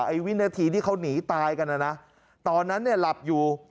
ไอ้วินาทีที่เขาหนีตายกันนะตอนนั้นหลับอยู่